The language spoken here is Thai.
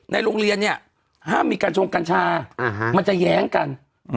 ห้ามมีกัญชงกัญชามันจะแย้งกัน